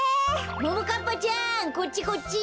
ももかっぱちゃんこっちこっち！